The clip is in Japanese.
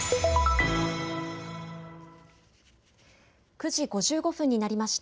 ９時５５分になりました。